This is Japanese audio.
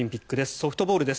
ソフトボールです。